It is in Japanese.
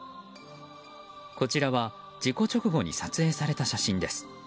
こちらは事故直後に撮影された写真です。